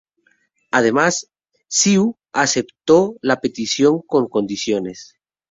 Además, CiU aceptó la petición con condiciones.